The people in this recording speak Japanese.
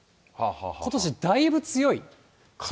ことし、だいぶ強い。